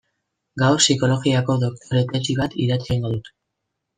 Gaur psikologiako doktore tesi bat idatzi egingo dut.